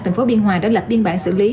tp biên hòa đã lập biên bản xử lý